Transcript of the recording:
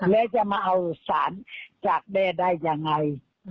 แล้วจะมาเอาสารจากแด้ได้ยังไง